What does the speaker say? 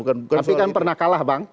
tapi kan pernah kalah bang